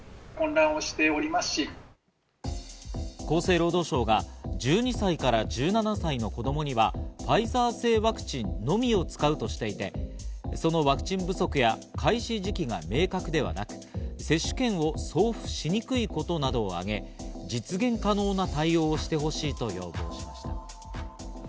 厚生労働省が１２歳から１７歳の子供にはファイザー製ワクチンのみを使うとしていて、そのワクチン不足や開始時期が明確ではなく、接種券を送付しにくいことなどを挙げ、実現可能な対応をしてほしいと要望しました。